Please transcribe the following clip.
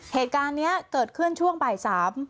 เหตุการณ์นี้เกิดขึ้นช่วงบ่ายสาม